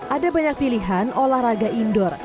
ada banyak pilihan olahraga indoor